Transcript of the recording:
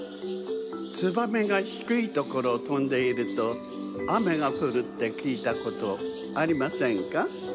ツバメがひくいところをとんでいるとあめがふるってきいたことありませんか？